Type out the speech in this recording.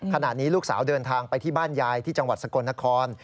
ขณะนี้ลูกสาวเดินทางไปที่บ้านยายที่จังหวัดสกลนคร